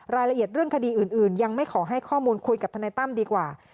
รายละเอียดเรื่องคดีอื่นยังไม่ขอให้ข้อมูลคุยกับทนายตั้มดีกว่า